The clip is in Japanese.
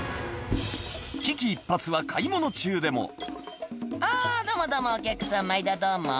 危機一髪は買い物中でも「あどうもどうもお客さん毎度どうも」